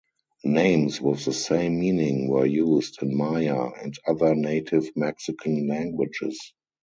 Names with the same meaning were used in Maya and other native Mexican languages.